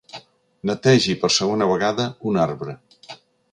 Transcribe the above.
Netegi per segona vegada un arbre.